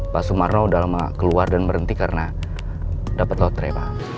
pak sumarno udah lama keluar dan berhenti karena dapat lotre pak